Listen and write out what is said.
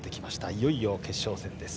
いよいよ決勝戦です。